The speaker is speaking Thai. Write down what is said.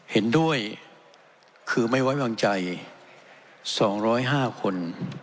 เห็นด้วยคือไม่ไว้วางใจ๒๐๕คน